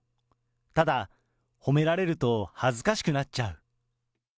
ただ、褒められると恥ずかしくなっちゃう。